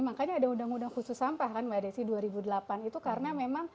makanya ada undang undang khusus sampah kan mbak desi dua ribu delapan itu karena memang